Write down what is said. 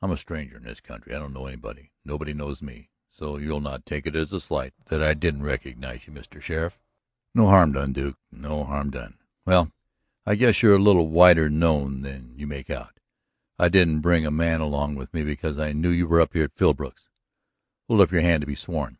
"I'm a stranger in this country, I don't know anybody, nobody knows me, so you'll not take it as a slight that I didn't recognize you, Mr. Sheriff." "No harm done, Duke, no harm done. Well, I guess you're a little wider known than you make out. I didn't bring a man along with me because I knew you were up here at Philbrook's. Hold up your hand and be sworn."